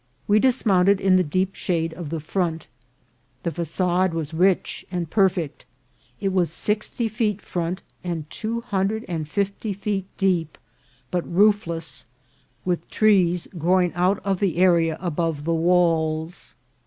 We dis mounted in the deep shade of the front. The facade was rich and perfect. It was sixty feet front and two hundred and fifty feet deep, but roofless, with trees growing out of the area above the walls.